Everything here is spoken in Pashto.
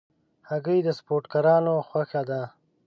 هګۍ د سپورټکارانو خوښه ده.